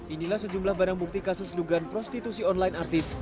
inilah sejumlah barang bukti kasus dugaan prostitusi online artis